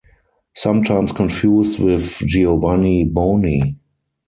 Sometimes confused with Giovanni Boni.